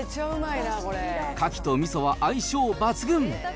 かきとみそは相性抜群。